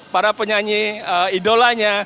para penyanyi idolanya